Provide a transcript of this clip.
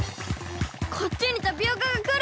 こっちにタピオカがくる！